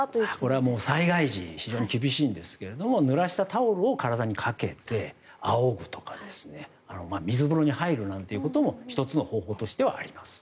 これは災害時非常に厳しいんですがぬらしたタオルを体にかけてあおぐとか水風呂に入るなんてことも１つの方法としてはあります。